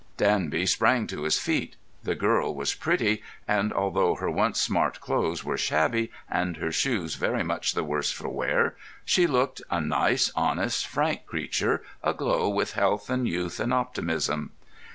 Danby sprang to his feet. The girl was pretty; and although her once smart clothes were shabby, and her shoes very much the worse for wear, she looked a nice, honest, frank creature, aglow with health and youth and optimism.